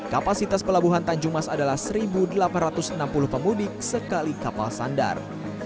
kapasitas pelabuhan tanjung mas adalah satu delapan ratus enam puluh pemudik sekali kapal sandar